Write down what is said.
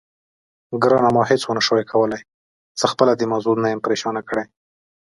ګرانه، ما هېڅ ونه شوای کړای، زه خپله دې موضوع نه یم پرېشانه کړې.